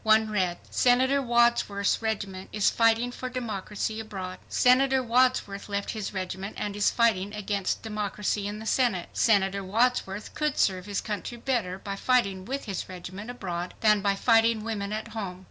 One read: SENATOR WADSWORTH's REGIMENT IS FIGHTING FOR DEMOCRACY ABROAD. SENATOR WADSWORTH LEFT HIS REGIMENT AND IS FIGHTING AGAINST DEMOCRACY IN THE SENATE. SENATOR WADSWORTH COULD SERVE HIS COUNTRY BETTER BY FIGHTING WITH HIS REGIMENT ABROAD THAN BY FIGHTING WOMEN AT HOME.